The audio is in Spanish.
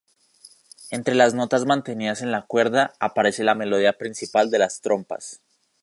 Entre las notas mantenidas en la cuerda, aparece la melodía principal en las trompas.